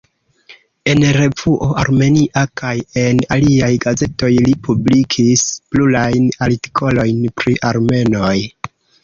En revuo "Armenia" kaj en aliaj gazetoj li publikis plurajn artikolojn pri armenoj.